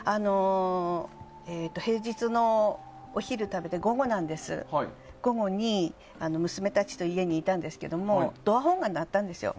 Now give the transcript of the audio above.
平日のお昼を食べて午後に娘たちと家にいたんですけどドアホンが鳴ったんですよ。